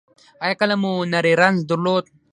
ایا کله مو نری رنځ درلود؟